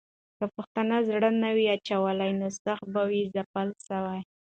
که پښتانه زړه نه وای اچولی، نو سخت به وای ځپل سوي.